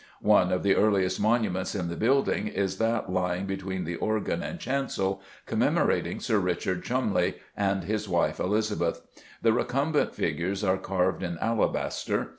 One of the earliest monuments in the building is that lying between the organ and chancel, commemorating Sir Richard Cholmondeley and his wife Elizabeth. The recumbent figures are carved in alabaster.